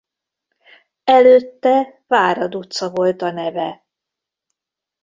Előtte Várad utca volt a neve.